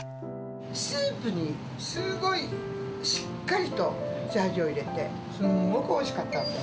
スープにすごいしっかりと下味を入れて、すんごくおいしかったの。